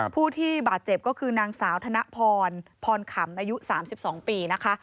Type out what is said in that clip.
ผู้ที่บาดเจ็บก็คือนางสาวธนพรพรขำอายุ๓๒ปีนะคะ